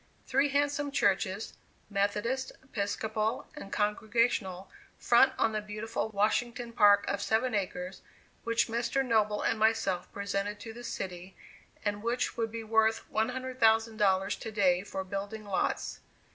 Three handsome churches, Methodist, Episcopal and Congregational, front on the beautiful Washington Park of seven acres, which Mr. Noble and myself presented to the city, and which would be worth $100,000 to day for building lots.